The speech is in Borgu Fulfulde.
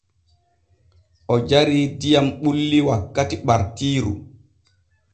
O jarii diyam bulli wakkati ɓartiiru.